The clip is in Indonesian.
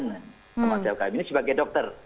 teman sejawat kami ini sebagai dokter